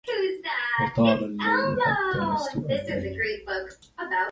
وطال الليل حتى لست أدري